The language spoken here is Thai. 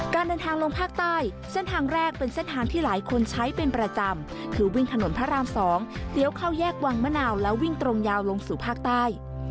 การเดินทางลงภาคใต้เส้นทางแรกเป็นเส้นทางที่หลายคนใช้เป็นประจำคือวิ่งถนนพระราม๒เลี้ยวเข้าแยกวังมะนาวแล้ววิ่งตรงยาวลงสู่ภาคใต้